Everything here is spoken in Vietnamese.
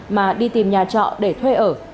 mà đi tìm nhà trọ để thuê ở